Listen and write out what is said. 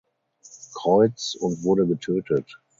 Kreuz und wurde getötet.